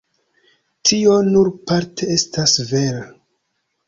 Tio nur parte estas vera.